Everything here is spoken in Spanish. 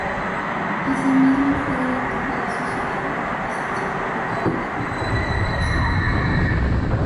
Asimismo, fue director de la Sociedad de Beneficencia Pública de Lima, fundada recientemente.